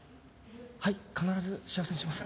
はい必ず幸せにします。